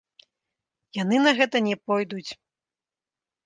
Яны на гэта не пойдуць.